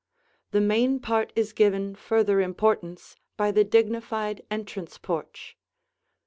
The main part is given further importance by the dignified entrance porch.